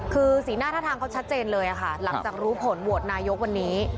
คือสีหน้าท่าทางเขาชัดเจนเลยค่ะหลังจากรู้ผลโหวตนายกวันนี้